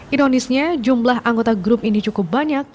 ironisnya jumlah anggota grup ini cukup banyak